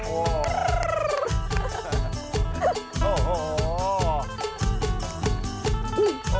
โอ้โห